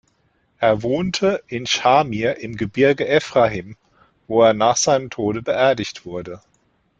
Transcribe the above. Er wohnte in Schamir im Gebirge Ephraim, wo er nach seinem Tod beerdigt wurde.